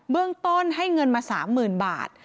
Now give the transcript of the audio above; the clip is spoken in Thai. เรื่องต้นให้เงินมา๓๐๐๐บาท